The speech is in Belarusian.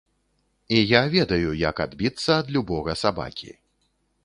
І я ведаю, як адбіцца ад любога сабакі.